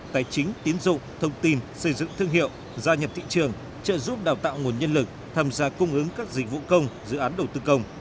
tài chính tiến dụng thông tin xây dựng thương hiệu gia nhập thị trường trợ giúp đào tạo nguồn nhân lực tham gia cung ứng các dịch vụ công dự án đầu tư công